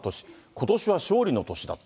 ことしは勝利の年だって。